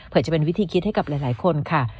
เพื่อจะเป็นวิธีคิดให้กับหลายคนค่ะ